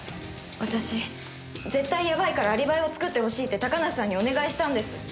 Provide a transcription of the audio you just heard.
私絶対やばいからアリバイを作ってほしいって高梨さんにお願いしたんです。